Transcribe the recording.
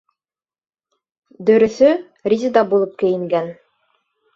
Дөрөҫө -Резеда булып кейенгән.